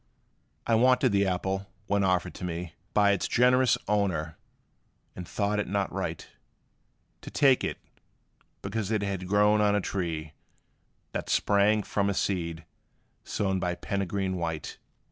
I wanted the apple, when offered to me By its generous owner, but thought it not right To take it, because it had grown on a tree, That sprang from a seed sown by PEREGRINE WHITE.